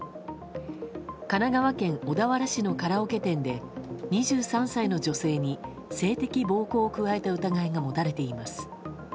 神奈川県小田原市のカラオケ店で２３歳の女性に性的暴行を加えた疑いが持たれています。